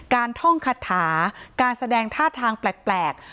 ท่องคาถาการแสดงท่าทางแปลก